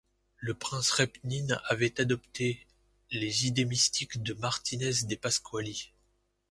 Le prince Repnine avait adopté les idées mystiques de Martinès de Pasqually.